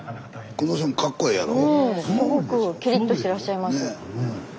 スタジオうんすごくキリッとしてらっしゃいます。